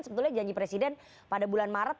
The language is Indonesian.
sebetulnya janji presiden pada bulan maret